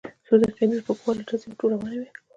څو دقیقې د سپکو وسلو ډزې روانې وې.